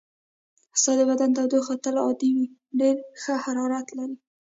ستا د بدن تودوخه تل عادي وي، ډېر ښه حرارت لرې.